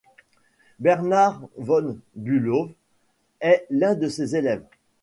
Bernhard von Bülow est l'un de ses élèves.